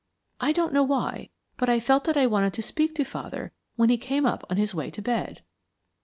I don't know why, but I felt that I wanted to speak to father when he came up on his way to bed."